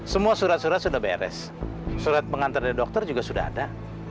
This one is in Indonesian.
semua surat surat sudah beres surat pengantar dari dokter juga sudah ada